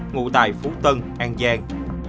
ngủ tại phú tân an giang